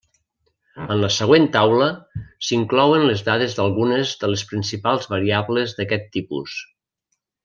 En la següent taula s'inclouen les dades d'algunes de les principals variables d'aquest tipus.